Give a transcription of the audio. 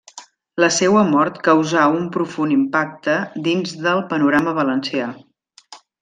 La seua mort causà un profund impacte dins del panorama valencià.